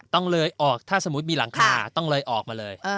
ต้องเลยออกถ้าสมมุติมีหลังคาต้องเลยออกมาเลย